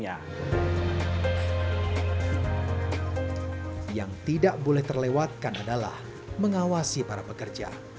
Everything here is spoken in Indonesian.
yang tidak boleh terlewatkan adalah mengawasi para pekerja